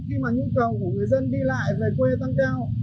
khi mà nhu cầu của người dân đi lại về quê tăng cao